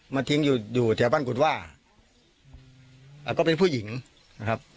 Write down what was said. ทิ้งอยู่อยู่แถวบ้านกุฎว่าก็เป็นผู้หญิงนะครับ